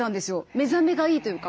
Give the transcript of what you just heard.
目覚めがいいというか。